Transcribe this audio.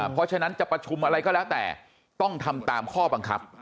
เพราะฉะนั้นจะประชุมอะไรก็แล้วแต่ต้องทำตามข้อบังคับ